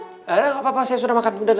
gak apa apa saya sudah makan